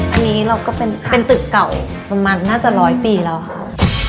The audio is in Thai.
อันนี้เราก็เป็นตึกเก่าประมาณน่าจะร้อยปีแล้วค่ะ